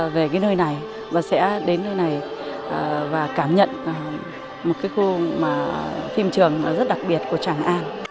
về cái nơi này và sẽ đến nơi này và cảm nhận một cái khu mà phim trường rất đặc biệt của tràng an